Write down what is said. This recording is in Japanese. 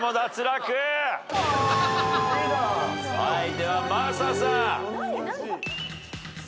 では真麻さん。